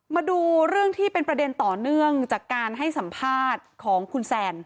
มาดูเรื่องที่เป็นประเด็นต่อเนื่องจากการให้สัมภาษณ์ของคุณแซน